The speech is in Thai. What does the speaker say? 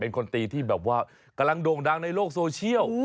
เป็นคนตีที่กำลังโด่งดังในโลกโซเชียล